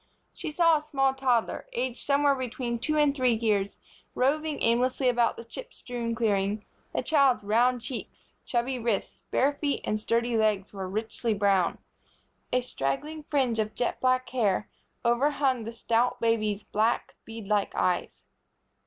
She saw a small toddler, aged somewhere between two and three years, roving aimlessly about the chip strewn clearing. The child's round cheeks, chubby wrists, bare feet and sturdy legs were richly brown. A straggling fringe of jet black hair overhung the stout baby's black, beadlike eyes.